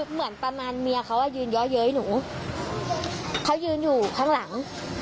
เหมือนประมาณเมียเขายืนเยอะเย้ยหนูเขายืนอยู่ข้างหลัง